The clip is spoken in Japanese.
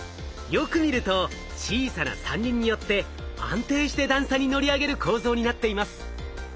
よく見ると小さな３輪によって安定して段差に乗り上げる構造になっています。